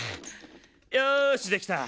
よしできた。